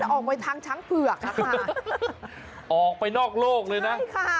น่าจะออกไปทางช้างเผือกนะคะออกไปนอกโลกเลยนะ